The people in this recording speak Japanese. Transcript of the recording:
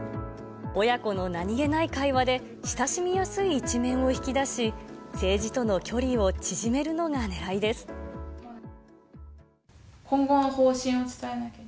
親子の何気ない会話で、親しみやすい一面を引き出し、政治との距離を縮めるのがねらい今後の方針を伝えなきゃ。